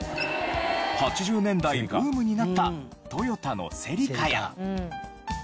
８０年代ブームになったトヨタのセリカや。